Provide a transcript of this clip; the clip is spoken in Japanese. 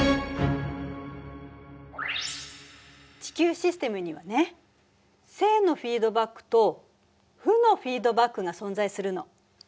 地球システムにはね正のフィードバックと負のフィードバックが存在するの。